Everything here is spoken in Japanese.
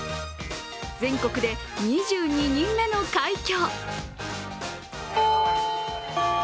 全国で２２人目の快挙！